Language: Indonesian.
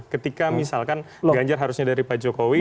ketika misalkan ganjar harusnya dari pak jokowi